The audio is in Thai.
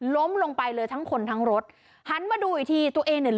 ล้มลงไปเลยทั้งคนทั้งรถหันมาดูอีกทีตัวเองเนี่ย